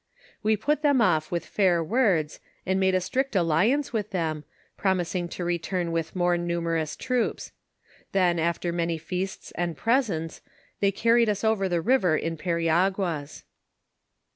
We put them off with fair words, and made a strict alliance with them, promising to return with more numerous troops ; then after many feasts and presents, they carried us over the river in periagnas.